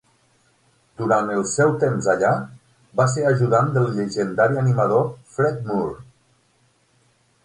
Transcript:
Durant el seu temps allà, va ser ajudant del llegendari animador Fred Moore.